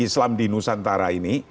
islam di nusantara ini